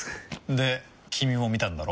で君も見たんだろ？